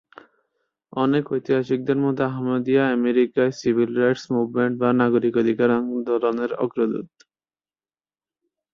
অনেক ঐতিহাসিকদের মতে আহমদীয়া আমেরিকায় 'সিভিল রাইটস মুভমেন্ট' বা নাগরিক অধিকার আন্দোলনের অগ্রদূত।